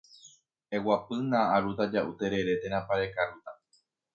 eguapýna arúta ja'u terere térãpa rekarúta